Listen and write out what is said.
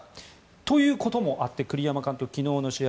ということもあって栗山監督、昨日の試合